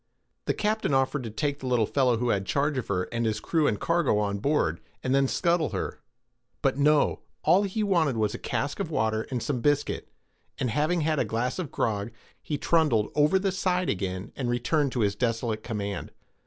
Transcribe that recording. The captain offered to take the little fellow who had charge of her, and his crew and cargo on board, and then scuttle her; but no—all he wanted was a cask of water and some biscuit; and having had a glass of grog, he trundled over the side again, and returned to his desolate command.